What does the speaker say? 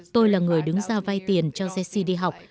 tôi là người đứng ra vay tiền cho jesse đi học